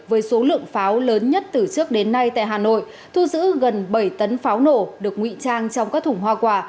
với số lượng pháo lớn nhất từ trước đến nay tại hà nội thu giữ gần bảy tấn pháo nổ được nguy trang trong các thủng hoa quả